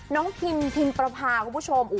น้องพิมพรีมประพาครับคุณผู้ชม